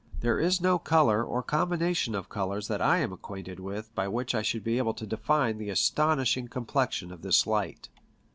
There is no colour or combination of colours that I am acquainted with by which I should be able to define the astonishing complexion of this light.